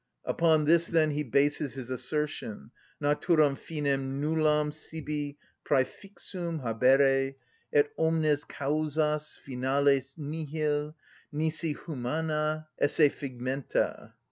Upon this, then, he bases his assertion: Naturam finem nullum sibi præfixum habere et omnes causas finales nihil, nisi humana esse figmenta.